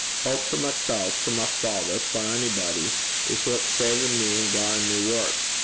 Houp for mysel', for my father, for a'body, is what's savin' me, an' garrin' me work.